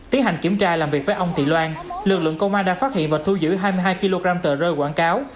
tiến hành kiểm tra làm việc với ông thị loan lực lượng công an đã phát hiện và thu giữ hai mươi hai kg tờ rơi quảng cáo